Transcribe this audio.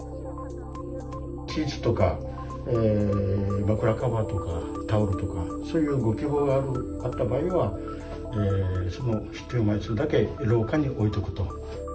シーツとか、枕カバーとか、タオルとか、そういうご希望があった場合には、必要枚数だけ廊下に置いとくと。